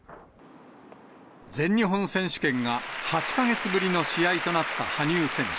全日本選手権が８か月ぶりの試合となった羽生選手。